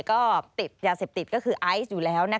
ก็ติดยาเสพติดก็คือไอซ์อยู่แล้ว